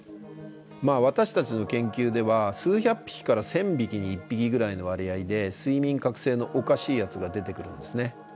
私たちの研究では数百匹から１，０００匹に１匹ぐらいの割合で睡眠覚醒のおかしいやつが出てくるんですね。